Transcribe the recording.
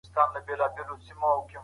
د خپل مذهب او قوم بې ځایه پلوي مه کوئ.